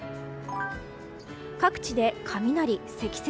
各地で雷、積雪。